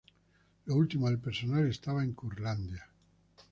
Lo último del personal estaba en Curlandia.